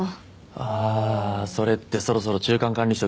ああーそれってそろそろ中間管理職？